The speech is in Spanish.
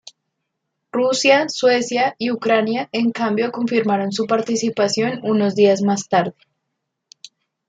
Rusia, Suecia y Ucrania en cambio, confirmaron su participación unos días más tarde.